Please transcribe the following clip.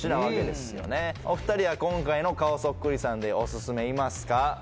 お二人は今回の顔そっくりさんでお薦めいますか？